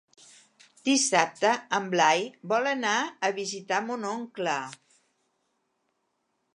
Dissabte en Blai vol anar a visitar mon oncle.